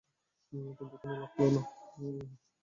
কিন্তু কোনো লাভ হল না।